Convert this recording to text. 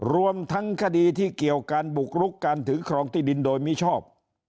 รวมทั้งคดีที่เกี่ยวการบุกรุกการถือครองที่ดินโดยมิชอบ